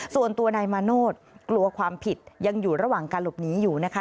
ส่วนตัวนายมาโนธกลัวความผิดยังอยู่ระหว่างการหลบหนีอยู่นะคะ